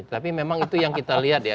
tapi memang itu yang kita lihat ya